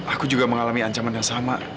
aku juga mengalami ancaman yang sama